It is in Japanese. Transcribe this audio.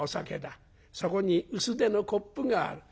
そこに薄手のコップがある。